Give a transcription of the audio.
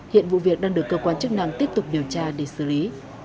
hiện vụ việc đang được cơ quan chức năng tiếp tục điều tra để xử lý